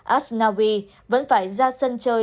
asnawi vẫn phải ra sân chơi